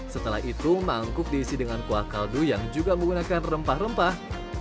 setelah itu mangkuk diisi dengan kuah kaldu yang juga menggunakan rempah rempah